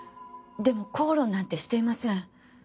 でも口論なんてしていません。